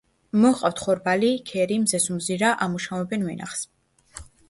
მოჰყავთ ხორბალი, ქერი, მზესუმზირა, ამუშავებენ ვენახს.